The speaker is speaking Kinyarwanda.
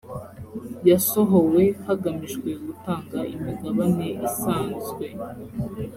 yasohowe hagamijwe gutanga imigabane isanzwe